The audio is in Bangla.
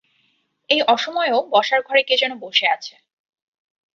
এই অসময়েও বসার ঘরে কে যেন বসে আছে।